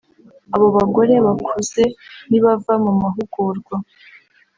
Abo bagore bakuze nibava mu mahugurwa